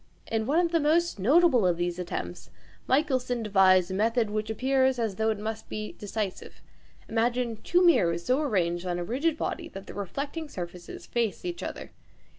In one of the most notable of these attempts Michelson devised a method which appears as though it must be decisive. Imagine two mirrors so arranged on a rigid body that the reflecting surfaces face each other.